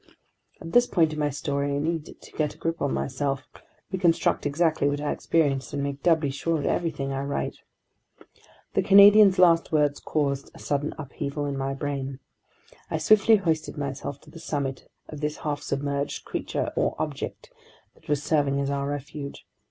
At this point in my story, I need to get a grip on myself, reconstruct exactly what I experienced, and make doubly sure of everything I write. The Canadian's last words caused a sudden upheaval in my brain. I swiftly hoisted myself to the summit of this half submerged creature or object that was serving as our refuge.